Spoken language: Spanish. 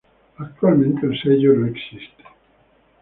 Actualmente el sello no existe.